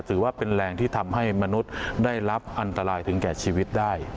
ถือว่าเป็นแรงที่ทำให้มนุษย์ได้รับอันตรายถึงแก่ชีวิตได้